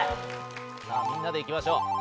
さあみんなで行きましょう。